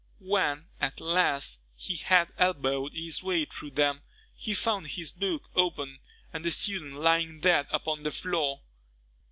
When, at last, he had elbowed his way through them, he found his book open, and the student lying dead upon the floor.